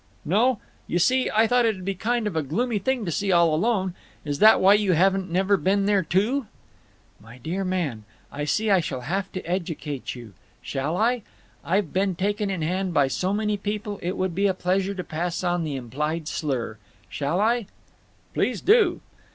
"No. You see, I thought it 'd be kind of a gloomy thing to see all alone. Is that why you haven't never been there, too?" "My dear man, I see I shall have to educate you. Shall I? I've been taken in hand by so many people—it would be a pleasure to pass on the implied slur. Shall I?" "Please do."